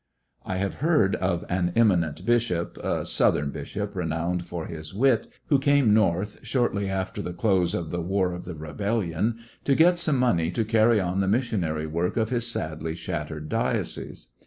I have heard of an eminent bishop, a Southern A ten thousand bishop renowned for his wit, who came North, shortly after the close of the War of the Re bellion, to get some money to carry on the missionary work of his sadly shattered diocese.